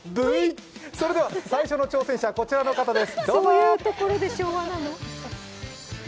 それでは最初の挑戦者、こちらの方です、どうぞ！